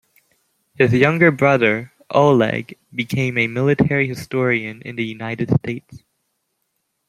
His younger brother, Oleg, became a military historian in the United States.